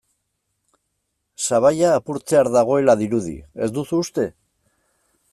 Sabaia apurtzear dagoela dirudi, ez duzu uste?